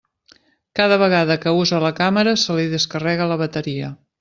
Cada vegada que usa la càmera se li descarrega la bateria.